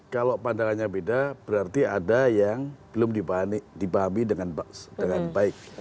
kalau pandangannya beda berarti ada yang belum dibahami dengan baik